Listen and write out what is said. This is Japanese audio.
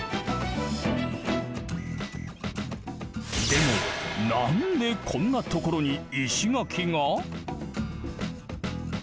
でもなんでこんなところに石垣が？